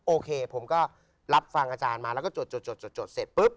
โอเคผมก็รับฟังอาจารย์มาแล้วก็จดเสร็จปุ๊บ